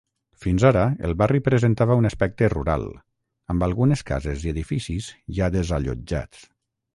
Fins ara, el barri presentava un aspecte rural, amb algunes cases i edificis ja desallotjats.